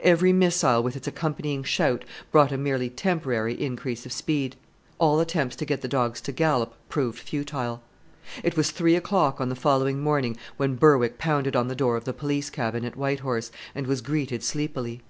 Every missile, with its accompanying shout, brought a merely temporary increase of speed. All attempts to get the dogs to gallop proved futile. It was three o'clock on the following morning when Berwick pounded on the door of the police cabin at White Horse, and was greeted sleepily.